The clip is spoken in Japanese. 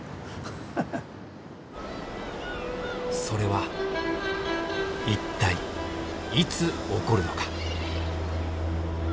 それは一体いつ起こるのか？